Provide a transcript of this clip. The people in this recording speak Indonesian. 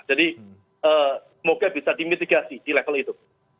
semoga bisa dimitigasi di level itu